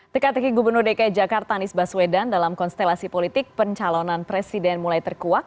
teka teki gubernur dki jakarta anies baswedan dalam konstelasi politik pencalonan presiden mulai terkuak